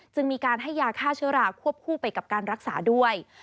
จึงมีการให้ยาฆ่าเชื้อราควบคู่ไปกับการรักษาด้วย